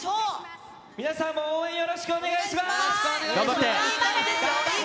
皆さんも応援よろしくお願い頑張ってー。